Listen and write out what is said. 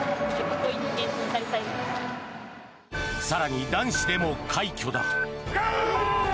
更に男子でも快挙だ。